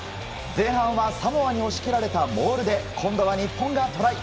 前半はサモアに押し込まれたモールで今度は日本がトライ。